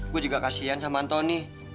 gue juga kasian sama antoni